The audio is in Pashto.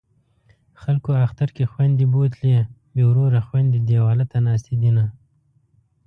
خلکو اختر کې خویندې بوتلې بې وروره خویندې دېواله ته ناستې دینه